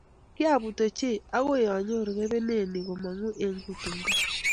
kiabut ochei akoi anyoru kibenet ni kimong eng kutungto